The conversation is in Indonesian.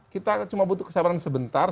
kita cuma butuh kesabaran sebentar